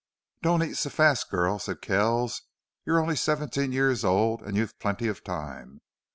"Don't eat so fast, girl," said Kells. "You're only seventeen years old and you've plenty of time....